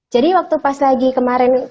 jadi waktu pas lagi kemarin